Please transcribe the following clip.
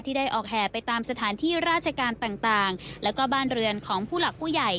ได้ออกแห่ไปตามสถานที่ราชการต่างแล้วก็บ้านเรือนของผู้หลักผู้ใหญ่